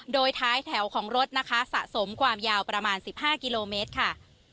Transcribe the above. โดยท้ายแถวของรถนะคะสะสมความยาวประมาณ๑๕กิโลเมตรค่ะ